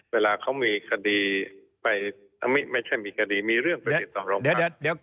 เวลาเค้ามีคดีอ่ะไม่ใช่มีคดีมีเรื่องปฏิติต่อเรากลับ